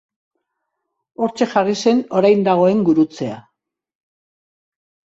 Hortxe jarri zen orain dagoen gurutzea.